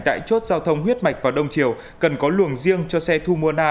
tại chốt giao thông huyết mạch và đông triều cần có luồng riêng cho xe thu mua na